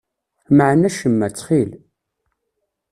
Mεen acemma, ttxil.